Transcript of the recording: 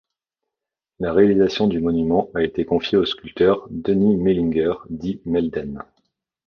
La réalisation du monument a été confiée au sculpteur Denis Mellinger dit Melden.